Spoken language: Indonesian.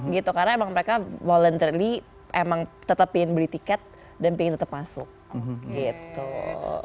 gitu karena emang mereka voluntary emang tetap ingin beli tiket dan pengen tetap masuk gitu